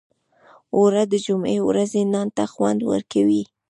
اوړه د جمعې ورځې نان ته خوند ورکوي